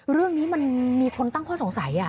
เรื่องนี้มันมีคนตั้งข้อสงสัย